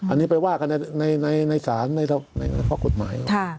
อันนี้ไปว่ากันในศาลในข้อกฎหมาย